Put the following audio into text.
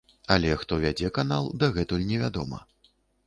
Але хто вядзе канал, дагэтуль невядома.